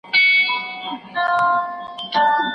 هره ورځ ورته اختر کی هره شپه یې برات غواړم